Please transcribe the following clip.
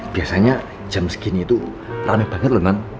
biasanya jam segini tuh rame banget lho nan